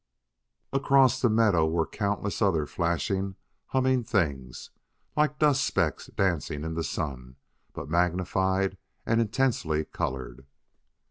Across the meadow were countless other flashing, humming things, like dust specks dancing in the sun, but magnified and intensely colored.